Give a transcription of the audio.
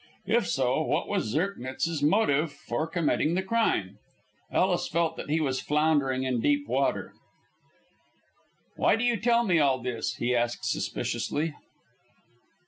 If so, what was Zirknitz's motive for committing the crime? Ellis felt that he was floundering in deep water. "Why do you tell me all this?" he asked suspiciously.